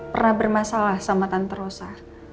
pernah bermasalah sama tante rosa